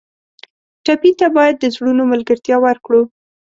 ټپي ته باید د زړونو ملګرتیا ورکړو.